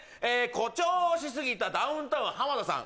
誇張しすぎたダウンタウン浜田さん